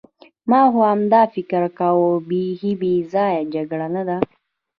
ما خو همداسې فکر کاوه، بیخي بې ځایه جګړه نه ده.